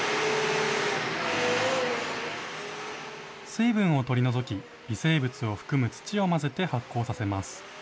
水分を取り除き、微生物を含む土を混ぜて発酵させます。